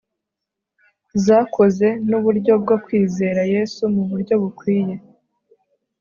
zakoze nuburyo bwo kwizera Yesu muburyo bukwiye